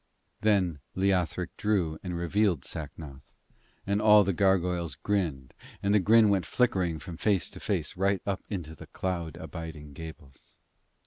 Then Leothric drew and revealed Sacnoth, and all the gargoyles grinned, and the grin went flickering from face to face right up into the cloud abiding gables.